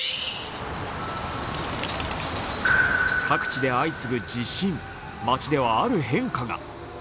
各地で相次ぐ地震、街ではある変化が。